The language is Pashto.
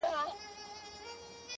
• ځوانان بحث کوي په کوڅو تل..